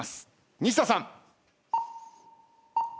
西田さん。